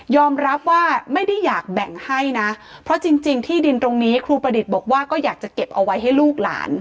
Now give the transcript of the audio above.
รับว่าไม่ได้อยากแบ่งให้นะเพราะจริงที่ดินตรงนี้ครูประดิษฐ์บอกว่าก็อยากจะเก็บเอาไว้ให้ลูกหลาน